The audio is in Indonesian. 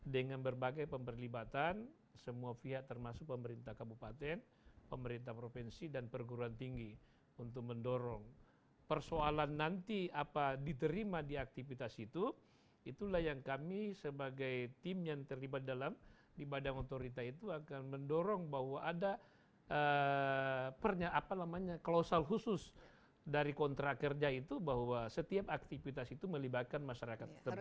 dengan berbagai pemberlibatan semua pihak termasuk pemerintah kabupaten pemerintah provinsi dan perguruan tinggi untuk mendorong persoalan nanti apa diterima di aktivitas itu itulah yang kami sebagai tim yang terlibat dalam di badang otorita itu akan mendorong bahwa ada pernya apa namanya klosal khusus dari kontra kerja itu bahwa setiap aktivitas itu melibatkan masyarakat tempat